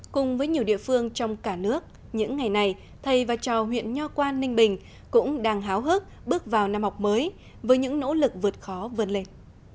cùng với nhiều địa phương trong cả nước những ngày này thầy và trò huyện nho quan ninh bình cũng đang háo hức bước vào năm học mới với những nỗ lực vượt khó vươn lên